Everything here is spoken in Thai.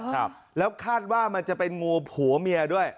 ครับแล้วคาดว่ามันจะเป็นงูผัวเมียด้วย